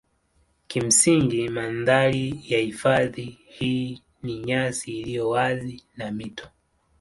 Kimsingi mandhari ya hifadhi hii ni nyasi iliyo wazi na mito.